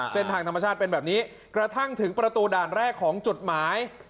เส้นทางธรรมชาติเป็นแบบนี้กระทั่งถึงประตูด่านแรกของจุดหมาย